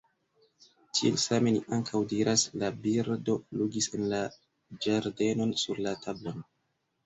Tiel same ni ankaŭ diras «la birdo flugis en la ĝardenon, sur la tablon».